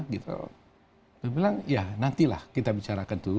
dia bilang ya nantilah kita bicarakan dulu